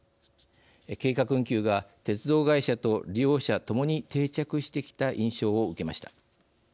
計画運休が鉄道会社と利用者ともに定着してきた印象を受けました。